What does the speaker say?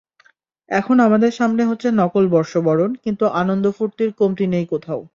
এখন আমাদের সামনে হচ্ছে নকল বর্ষবরণ, কিন্তু আনন্দ-ফুর্তির কমতি নেই কোথাও।